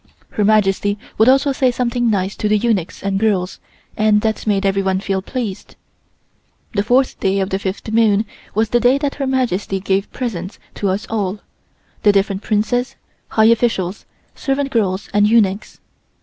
Her Majesty would also say something nice to the eunuchs and girls, and that made everyone feel pleased. The fourth day of the fifth moon was the day that Her Majesty gave presents to us all, the different Princes, high officials, servant girls and eunuchs.